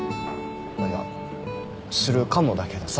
あっいやするかもだけどさ。